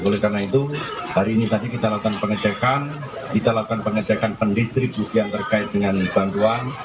oleh karena itu hari ini tadi kita lakukan pengecekan kita lakukan pengecekan pendistribusian terkait dengan bantuan